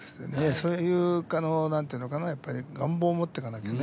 そういう願望を持ってかなきゃね。